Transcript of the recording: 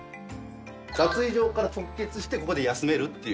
脱衣所から直結してここで休めるっていう。